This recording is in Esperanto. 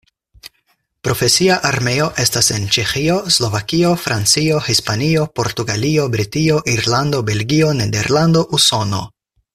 Profesia armeo estas en: Ĉeĥio, Slovakio, Francio, Hispanio, Portugalio, Britio, Irlando, Belgio, Nederlando, Usono.